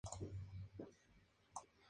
Los tallos de sus hojas son vellosos.